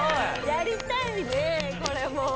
「やりたいねこれも」